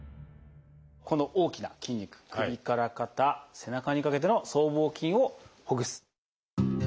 この大きな筋肉首から肩背中にかけての僧帽筋をほぐす。